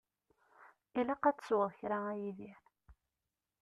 Ilaq ad tesweḍ kra a Yidir.